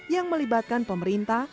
yang melibatkan pemerintah